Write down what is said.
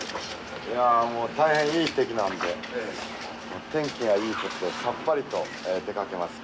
いやもう大変いい天気なんで天気がいいことでさっぱりと出かけます。